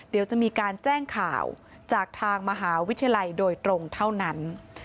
เดี๋ยวจะมีการแจ้งข่าวจากทางมหาวิทยาลัยโดยตรงเท่านั้น